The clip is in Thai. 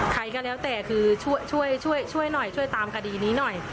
ใครก็แล้วแต่คือช่วยช่วยหน่อยช่วยตามคดีนี้หน่อย